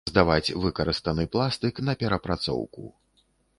Здаваць выкарыстаны пластык на перапрацоўку.